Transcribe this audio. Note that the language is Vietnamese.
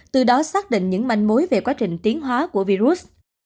từ đó xác định những manh mối về quá trình tiến hóa của virus